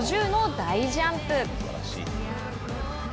５０の大ジャンプ。